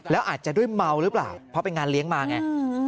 แล้วอาจจะด้วยเมาหรือเปล่าเพราะเป็นงานเลี้ยงมาไง